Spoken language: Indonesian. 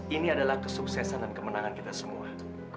ini adalah kesuksesan dan kemenangan kita semua